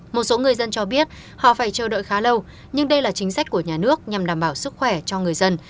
một số người dân cho biết họ phải chờ đợi khá lâu nhưng đây là chính sách của nhà nước nhằm đảm bảo sức khỏe cho người dân